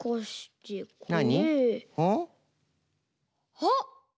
あっ！